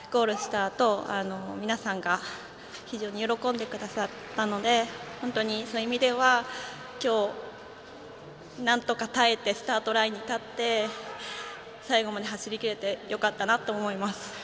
あと皆さんが非常に喜んでくださったので本当にそういう意味ではきょうなんとか耐えてスタートラインに立って最後まで走りきれてよかったなと思います。